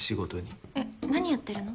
えっ何やってるの？